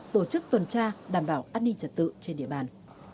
tổ chức tuần tra đảm bảo an ninh trật tự trên địa bàn